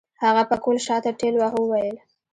هغه پکول شاته ټېلوهه وويل.